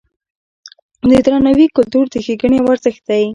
د درناوي کلتور د ښېګڼې یو ارزښت دی.